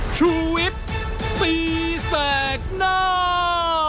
ชุวิตตีแสดหน้า